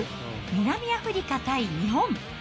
南アフリカ対日本。